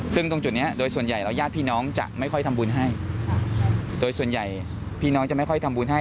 ซึ่งตรงจุดนี้โดยส่วนใหญ่แล้วญาติพี่น้องจะไม่ค่อยทำบุญให้โดยส่วนใหญ่พี่น้องจะไม่ค่อยทำบุญให้